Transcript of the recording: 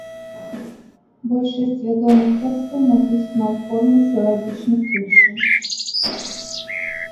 Большасць вядомых тэкстаў напісана ў форме сілабічных вершаў.